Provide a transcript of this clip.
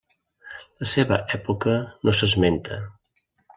La seva època no s'esmenta.